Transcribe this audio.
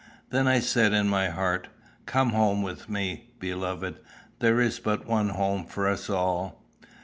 Then I said in my heart, "Come home with me, beloved there is but one home for us all.